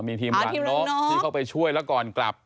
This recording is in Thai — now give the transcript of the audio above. มีทีมรังนกที่เข้าไปช่วยแล้วก่อนกลับ